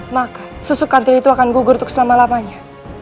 maka susu kantin itu akan gugur untuk selama lamanya